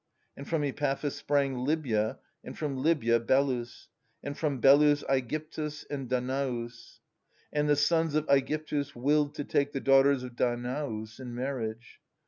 . And from Epaphus sprang Libya, and from Libya, Belus ; and from Belus, ^gyptus and Danaus. And the sons of ^Egyptus willed to take the daughters of Danaus in marriage.